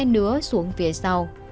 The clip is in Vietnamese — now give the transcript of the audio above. huy đưa chai nứa xuống phía sau